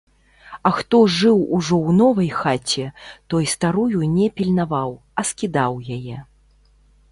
А хто жыў ужо ў новай хаце, той старую не пільнаваў, а скідаў яе.